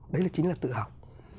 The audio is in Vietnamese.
đấy chính là tự học